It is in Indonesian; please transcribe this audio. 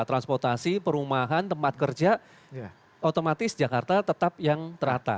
transportasi perumahan tempat kerja otomatis jakarta tetap yang terata